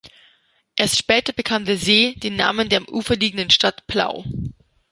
Erst später bekam der See den Namen der am Ufer liegenden Stadt Plau.